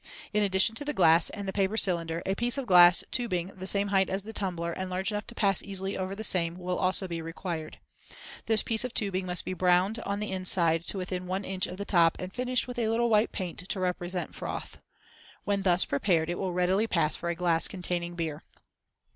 In addition to the glass and the paper cylinder a piece of glass tubing the same height as the tumbler, and large enough to pass easily over the same, will also be required. This piece of tubing must be browned on the inside to within 1 in. of the top, and finished with a little white paint to represent froth, when, thus, prepared, it will readily pass for a glass containing beer.